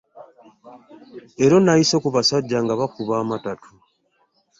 Leero nayise ku basajja nga bakuba amatatu.